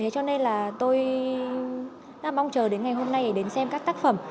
cho nên là tôi đang mong chờ đến ngày hôm nay để đến xem các tác phẩm